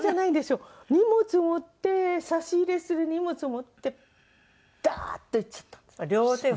荷物を持って差し入れする荷物を持ってダーッといっちゃったんです。